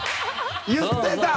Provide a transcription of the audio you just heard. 言ってた！